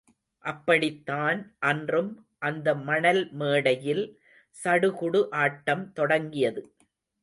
அப்படித்தான், அன்றும் அந்த மணல் மேடையில் சடுகுடு ஆட்டம் தொடங்கியது.